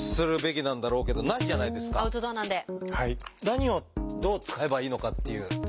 何をどう使えばいいのかっていう。